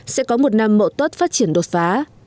sẽ có một năm mậu tốt phát triển đột phá